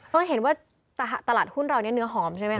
เราเห็นว่าตลาดหุ้นเราเนี่ยเนื้อหอมใช่ไหมค